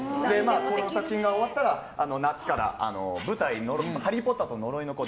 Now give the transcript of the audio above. この作品が終わったら夏から舞台の「ハリー・ポッターと呪いの子」